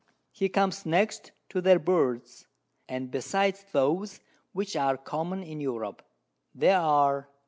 He comes next to their Birds, and besides those which are common in Europe, there are 1.